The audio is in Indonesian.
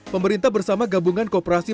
pemerintah bersama gabungan kooperasi